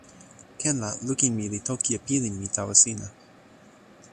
ken la lukin mi li toki e pilin mi tawa sina.